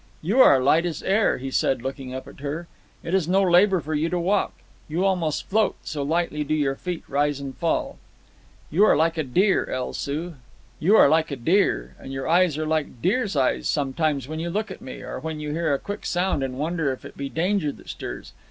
"You are light as air," he said, looking up at her. "It is no labour for you to walk. You almost float, so lightly do your feet rise and fall. You are like a deer, El Soo; you are like a deer, and your eyes are like deer's eyes, sometimes when you look at me, or when you hear a quick sound and wonder if it be danger that stirs.